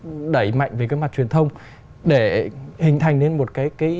họ sẽ đẩy mạnh về cái mặt truyền thông để hình thành nên một cái